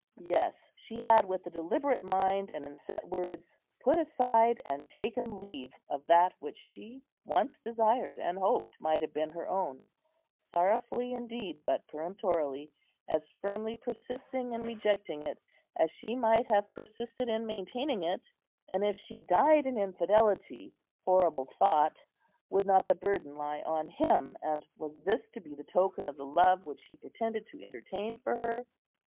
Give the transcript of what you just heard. Yes, she had with a deliberate mind and in set words put aside and taken leave of that which she once desired and hoped might have been her own, sorrowfully indeed, but peremptorily, as firmly persisting in rejecting it, as she might have persisted in maintaining it; and, if she died in infidelity, horrible thought! would not the burden lie on him, and was this to be the token of the love which he pretended to entertain for her?